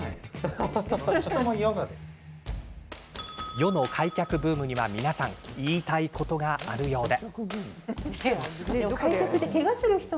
世の開脚ブームには、皆さん言いたいことがあるようで。